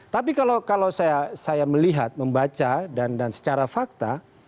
tapi kalau saya melihat membaca dan secara fakta